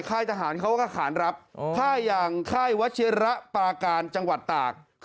ค่ายทหารเขาก็ขานรับค่ายอย่างค่ายวัชิระปาการจังหวัดตาก